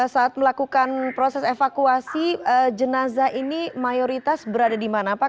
saat melakukan proses evakuasi jenazah ini mayoritas berada di mana pak